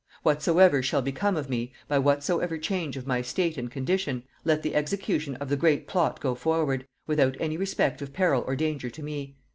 Whatsoever shall become of me, by whatsoever change of my state and condition, let the execution of the Great Plot go forward, without any respect of peril or danger to me.